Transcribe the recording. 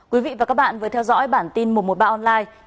quý vị và các bạn vừa theo dõi bản tin một trăm một mươi ba online